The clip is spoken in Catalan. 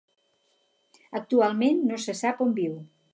Actualment no se sap on viu.